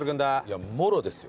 いやもろですよ。